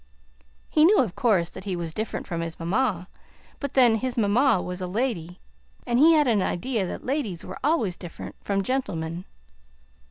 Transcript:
He knew, of course, that he was different from his mamma, but, then, his mamma was a lady, and he had an idea that ladies were always different from gentlemen.